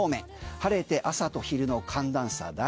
晴れて朝と昼の寒暖差大。